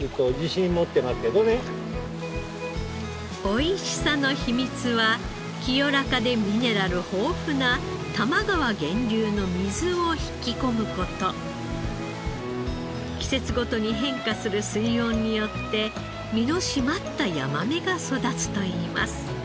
おいしさの秘密は清らかでミネラル豊富な多摩川源流の水を引き込む事。によって身の締まったヤマメが育つといいます。